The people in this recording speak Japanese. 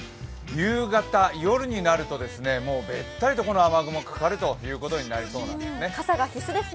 夕方、夜になるともう、べったりとこの雨雲、かかるということになりそうです。